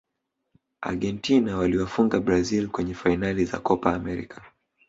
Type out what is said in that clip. argentina waliwafunga brazil kwenye fainali za kopa amerika